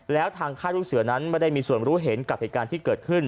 แล้วทางค่ายลูกเสือนั้นไม่ได้มีส่วนรู้เห็นกับเหตุการณ์ที่เกิดขึ้น